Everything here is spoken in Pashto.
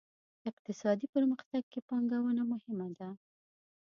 اقتصادي پرمختګ کې پانګونه مهمه ده.